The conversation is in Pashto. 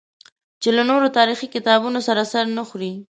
چې له نورو تاریخي کتابونو سره سر نه خوري.